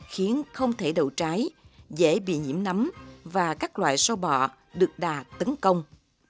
khiến không thể đậu trái dễ bị nhiễm nấm và các loại sâu bọ được đà tấn công